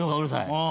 ああ。